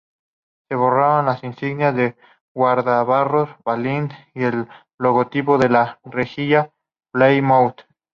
Se borraron las insignias de guardabarros "Valiant" y el logotipo de la rejilla "Plymouth".